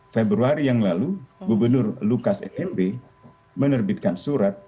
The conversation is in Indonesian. februari yang lalu gubernur lukas nmb menerbitkan surat